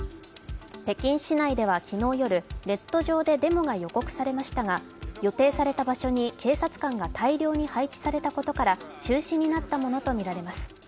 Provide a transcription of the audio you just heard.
北京市内では昨日夜、ネット上でデモが予定されましたが、予定された場所に警察官が大量に配置されたことから中止となったようです。